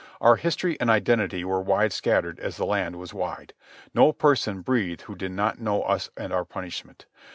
Our history and identity were wide scattered as the land was wide. No person breathed who did not know us and our punishment.